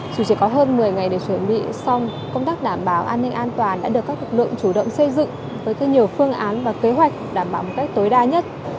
dù chỉ có hơn một mươi ngày để chuẩn bị xong công tác đảm bảo an ninh an toàn đã được các lực lượng chủ động xây dựng với nhiều phương án và kế hoạch đảm bảo một cách tối đa nhất